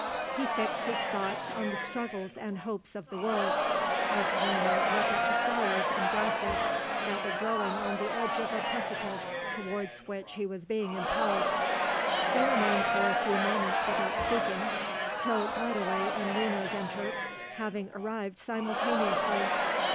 He fixed his thoughts on the struggles and hopes of the world, as one might look at the flowers and grasses that were growing on the edge of a precipice towards which he was being impelled. They remained for a few moments without speaking, till Godoy and Renos entered, having arrived simultaneously.